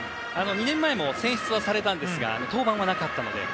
２年前も選出はされたんですが登板はなかったので。